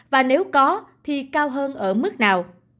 và nếu có thì cao hơn ở mức nào